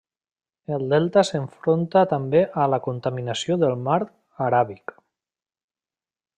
El delta s'enfronta també a la contaminació del mar Aràbic.